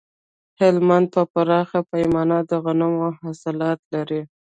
هلمند په پراخه پیمانه د غنمو حاصلات لري